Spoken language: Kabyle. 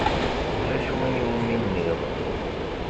Ulac win i wumi nniɣ.